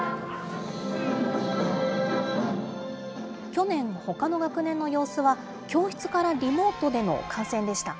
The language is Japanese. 去年、ほかの学年の様子は教室からリモートでの観戦でした。